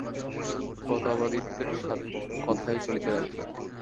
প্রতাপাদিত্যের কথাই চলিতে লাগিল।